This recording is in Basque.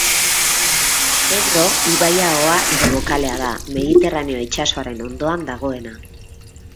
Ebro ibai-ahoa edo bokalea da, Mediterraneo itsasoaren ondoan dagoena.